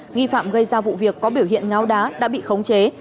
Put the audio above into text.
nghi phạm gây ra vụ việc có biểu hiện ngáo đá đã bị khống chế